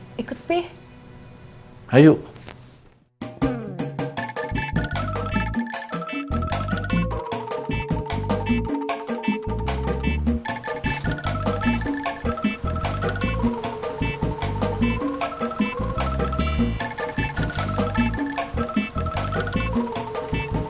nanti tutup pintu pangkernya ya